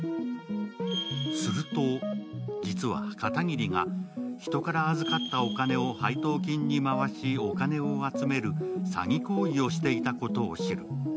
すると、実は片桐が人から預かったお金を配当金に回しお金を集める詐欺行為をしていたことを知る。